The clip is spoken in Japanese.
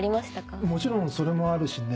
もちろんそれもあるしね